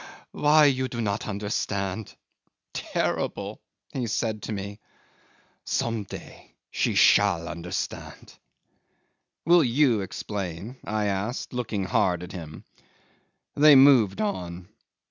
Why you do not understand? ... Terrible," he said to me. "Some day she shall understand." '"Will you explain?" I asked, looking hard at him. They moved on.